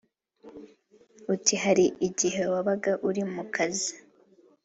Ati "Hari igihe wabaga uri mu kazi